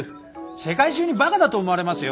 世界中にバカだと思われますよ？